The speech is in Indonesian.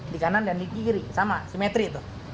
di kanan dan di kiri sama simetri itu